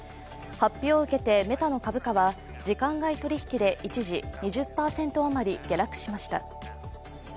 発表を受けて、メタの株価は時間外取引で一時２０％余り下落しました。